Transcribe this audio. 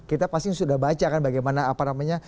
kita pasti sudah baca kan bagaimana apa namanya